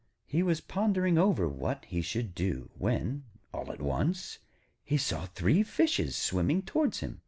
He was pondering over what he should do, when, all at once, he saw three Fishes swimming towards him.